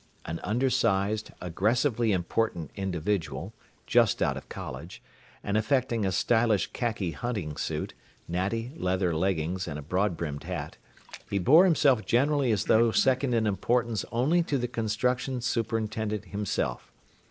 An undersized, aggressively important individual, just out of college, and affecting a stylish khaki hunting suit, natty leather leggings and a broad brimmed hat, he bore himself generally as though second in importance only to the construction superintendent himself.